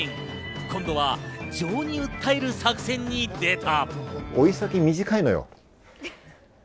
今度は情に訴える作戦に出た。